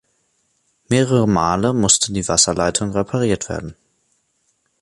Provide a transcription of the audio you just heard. Mehrere Male musste die Wasserleitung repariert werden.